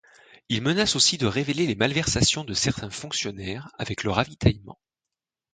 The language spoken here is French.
Ils menacent aussi de révéler les malversations de certains fonctionnaires avec le ravitaillement.